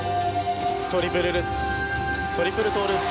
トリプルルッツトリプルトーループ。